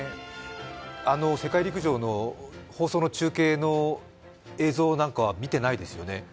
世界陸上の放送の中継の映像なんかは見てないですよね。